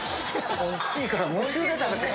おいしいから夢中で食べて。